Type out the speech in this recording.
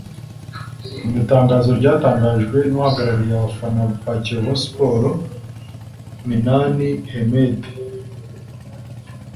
Mu itangazo ryatangajwe n’uhagararariye abafana ba Kiyovu Spoorts Minani Hemed